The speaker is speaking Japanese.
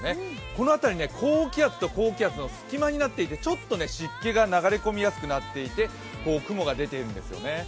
この辺り、高気圧と高気圧の隙間になっていて湿気が流れやすくなり、雲が出ているんですよね。